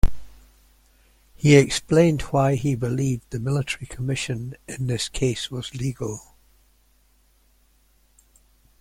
He explained why he believed the military commission in this case was legal.